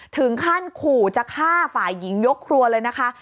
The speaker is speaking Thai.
ถึงขั้นขู่จะฆ่าฝ่ายหญิงยกครัวเลยนะคะ